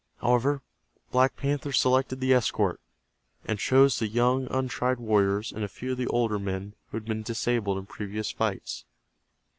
However, Black Panther selected the escort, and chose the young untried warriors and a few of the older men who had been disabled in previous fights.